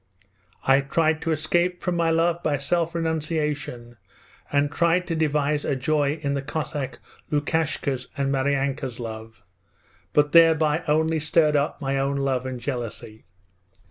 I tried to escape from my love by self renunciation, and tried to devise a joy in the Cossack Lukashka's and Maryanka's love, but thereby only stirred up my own love and jealousy.